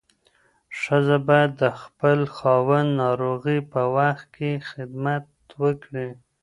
ښځه باید د خپل خاوند ناروغۍ په وخت کې خدمت وکړي.